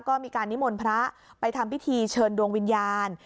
ก็มีการนิมนต์พระไปทำพิธีเชิญดวงวิญญาณ